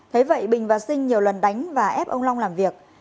thế vậy bình và sinh nhiều lần đánh và ép ông long làm việc